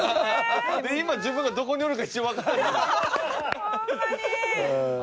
で今自分がどこにおるか一瞬わからんくなる。